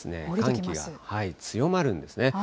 寒気が強まるんですね。